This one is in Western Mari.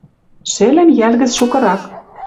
Шӹльӹм йӓл гӹц шукырак